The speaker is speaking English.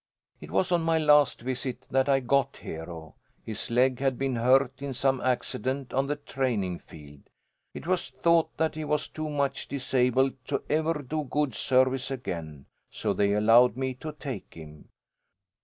It was on my last visit that I got Hero. His leg had been hurt in some accident on the training field. It was thought that he was too much disabled to ever do good service again, so they allowed me to take him.